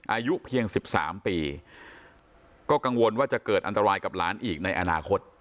อายุเพียง๑๓ปีก็กังวลว่าจะเกิดอันตรายกับหลานอีกในอนาคต